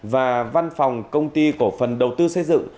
và văn phòng công ty cổ phần đầu tư xây dựng